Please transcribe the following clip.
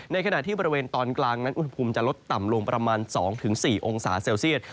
ในขณะที่บริเวณตอนกลางนั้นอุณหภูมิจะลดต่ำลงประมาณ๒๔องศาเซลเซียต